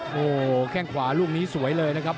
โฮแค่งขวาลูกนี้สวยเลยนะครับ